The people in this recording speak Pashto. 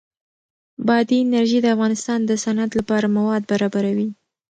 بادي انرژي د افغانستان د صنعت لپاره مواد برابروي.